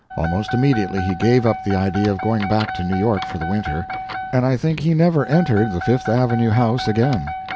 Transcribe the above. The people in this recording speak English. Almost immediately he gave up the idea of going back to New York for the winter, and I think he never entered the Fifth Avenue house again.